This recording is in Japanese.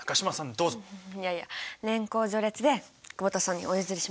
いやいや年功序列で久保田さんにお譲りします。